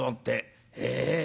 「へえ！